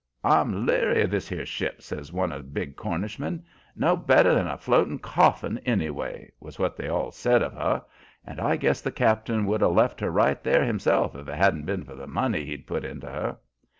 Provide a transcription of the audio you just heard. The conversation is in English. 'I'm leery o' this 'ere ship,' says one big Cornishman. 'No better than a floatin' coffin, anyway,' was what they all said of her; and I guess the cap'n would 'a' left her right there himself if it hadn't been for the money he'd put into her.